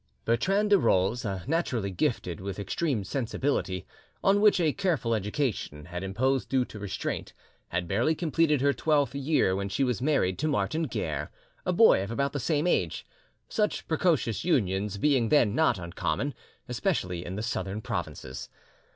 Bertrande de Rolls, naturally gifted with extreme sensibility, on which a careful education had imposed due restraint, had barely completed her twelfth year when she was married to Martin Guerre, a boy of about the same age, such precocious unions being then not uncommon, especially in the Southern provinces.